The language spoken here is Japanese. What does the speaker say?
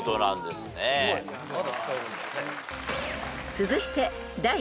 ［続いて］